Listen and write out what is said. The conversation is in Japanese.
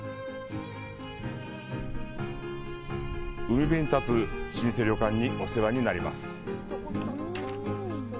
海辺に建つ老舗旅館にお世話になります。